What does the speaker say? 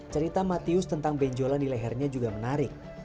cerita matius tentang benjolan di lehernya juga menarik